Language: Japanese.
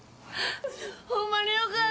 ホンマによかった！